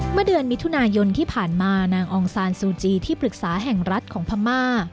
เมื่อเดือนมิถุนายนที่ผ่านมานางองซานซูจีที่ปรึกษาแห่งรัฐของพม่า